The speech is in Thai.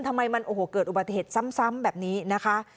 ทำไมมันโอ้โหเกิดอุบัติเหตุซ้ำแบบนี้นะคะ